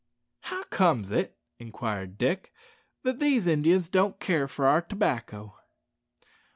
"How comes it," inquired Dick, "that these Indians don't care for our tobacco?"